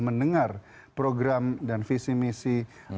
mendengar program dan visi misi